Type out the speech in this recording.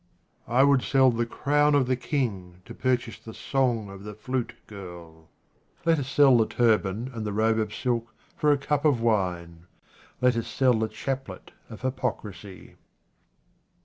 I WOULD sell the crown of the king to pur chase the song of the flute girl. Let us sell the turban and the robe of silk for a cup of wine ; let us sell the chaplet of hypocrisy.